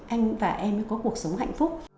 anh và em mới có cuộc sống hạnh phúc